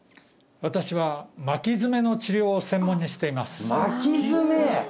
私は巻き爪の治療を専門にしています巻き爪！